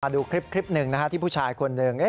ดูคลิปหนึ่งที่ผู้ชายคนหนึ่ง